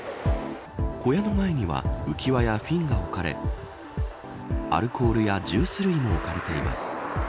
小屋の前には浮輪やフィンが置かれアルコールやジュース類も置かれています。